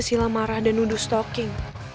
sila marah dan nuduh stocking